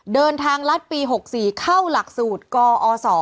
เดินทางรัฐปี๖๔เข้าหลักสูตรกอศ